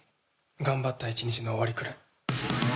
頑張った１日の終わりくらい。